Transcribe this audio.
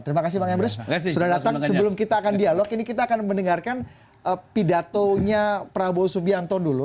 terima kasih bang emrus sudah datang sebelum kita akan dialog ini kita akan mendengarkan pidatonya prabowo subianto dulu